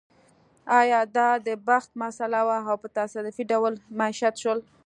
ایا دا د بخت مسئله وه او په تصادفي ډول مېشت شول